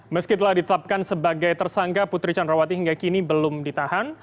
meski telah ditetapkan sebagai tersangka putri candrawati hingga kini belum ditahan